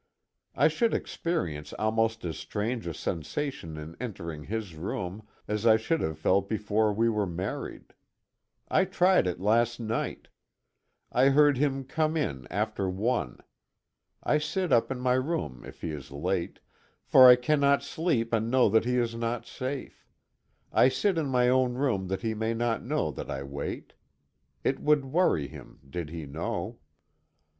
I should experience almost as strange a sensation in entering his room, as I should have felt before we were married. I tried it last night. I heard him come in after one. I sit up in my room if he is late, for I cannot sleep and know that he is not safe; I sit in my own room that he may not know that I wait. It would worry him, did he know.